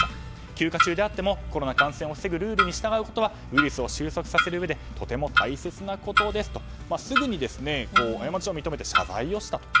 休暇中であってもコロナ感染を防ぐルールに従うことはウイルスを収束させるうえでとても大切なことですとすぐに過ちを認めて謝罪をしたと。